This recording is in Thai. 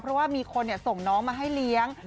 เพราะว่ามีคนส่งน้องมาให้เลี้ยง